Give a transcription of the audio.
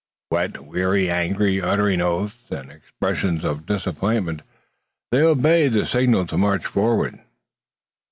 Wet, weary, angry, uttering oaths and expressions of disappointment, they obeyed the signal to march forward.